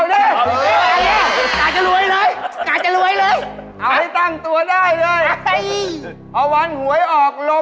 นี่ตอนนี้มียังไม่มีพี่อยู่ล่ะ